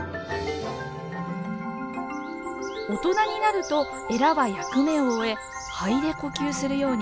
大人になるとえらは役目を終え肺で呼吸するように。